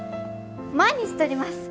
毎日撮ります！